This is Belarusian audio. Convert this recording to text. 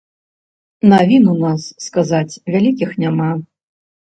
Навін у нас, сказаць, вялікіх няма.